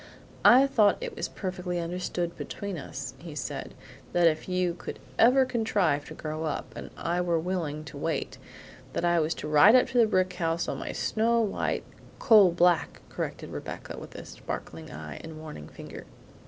"I thought it was perfectly understood between us," he said, "that if you could ever contrive to grow up and I were willing to wait, that I was to ride up to the brick house on my snow white" "Coal black," corrected Rebecca, with a sparkling eye and a warning finger.